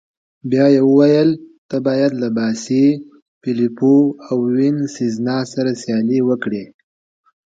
بیا يې وویل: ته باید له باسي، فلیپو او وینسزنا سره سیالي وکړې.